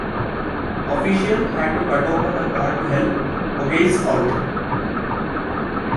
Officials had to cut open the car to help Ongais out.